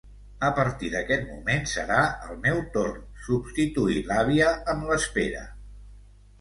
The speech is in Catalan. A partir d'aquest moment serà el meu torn, substituir l'àvia en l'espera...